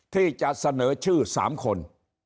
ที่จะเสนอชื่อ๓คน